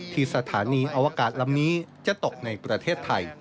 ที่สถานีอวกาศลำนี้จะตกในประเทศไทย